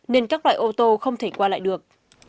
nên các loại ô tô không thể qua lại được